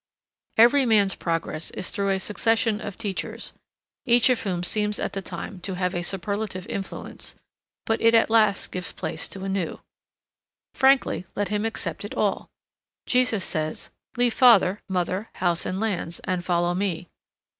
Every man's progress is through a succession of teachers, each of whom seems at the time to have a superlative influence, but it at last gives place to a new. Frankly let him accept it all. Jesus says, Leave father, mother, house and lands, and follow me.